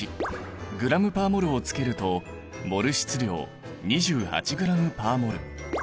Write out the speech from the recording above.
ｇ／ｍｏｌをつけるとモル質量２８ｇ／ｍｏｌ。